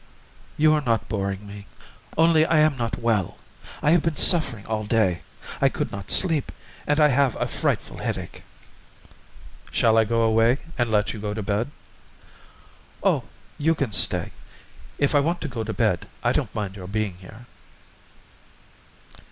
"You are not boring me; only I am not well; I have been suffering all day. I could not sleep, and I have a frightful headache." "Shall I go away and let you go to bed?" "Oh, you can stay. If I want to go to bed I don't mind your being here."